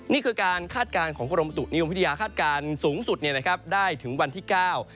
นี่คือการคาดการณ์ของกรมประตุนิยมวิทยาคาดการณ์สูงสุดเนี่ยนะครับได้ถึงวันที่เก้า